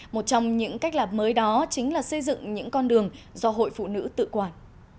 một trong những cách làm mới đó chính là xây dựng những con đường do hội phụ nữ tự quản